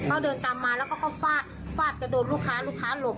เขาเดินตามมาแล้วก็เขาฟาดฟาดจะโดนลูกค้าลูกค้าหลบ